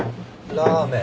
ラーメン。